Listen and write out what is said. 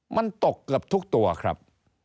มันตกเกือบทุกตัวครับ